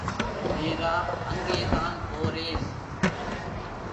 நேரா அங்கே தான் போரேன்.